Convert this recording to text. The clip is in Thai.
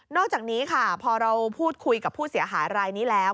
อกจากนี้ค่ะพอเราพูดคุยกับผู้เสียหายรายนี้แล้ว